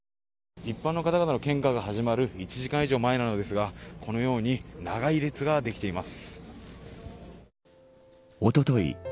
一般の方々の献花が始まる１時間以上前なのですがこのように長い列ができています。